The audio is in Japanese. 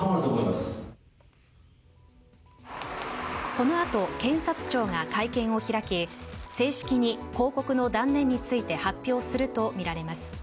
このあと検察庁が会見を開き正式に抗告の断念について発表するとみられます。